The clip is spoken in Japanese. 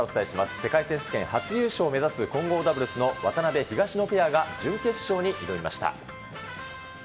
世界選手権初優勝を目指す混合ダブルスの渡辺・東野ペアが、準決勝に挑みました。